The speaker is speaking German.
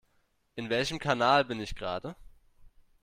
In welchem Kanal bin ich gerade?